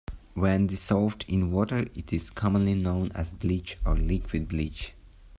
When dissolved in water it is commonly known as bleach or liquid bleach.